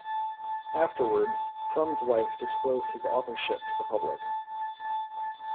Afterwards, Frum's wife disclosed his authorship to the public.